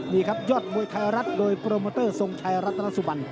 นี่ครับยอดมวยไทยรัฐโดยโปรโมเตอร์ทรงชัยรัตนสุบัน